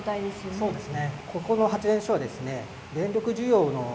そうですね。